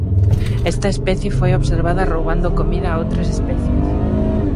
Esta especie foi observada roubando comida a outras especies.